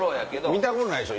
見たことないでしょ？